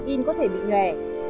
in có thể bị nhòe